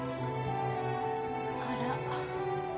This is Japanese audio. あら？